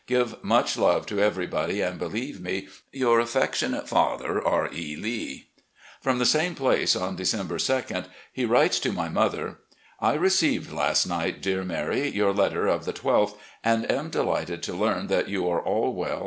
Give much love to everybody, and believe me, " Your affectionate father, "R. E. Lee." From the same place, on December 2d, he writes to my mother: "I received last night, dear Mary, your letter of the 12th, and am delighted to learn that you are all well and * Doctor and Mrs. Richard Stuart.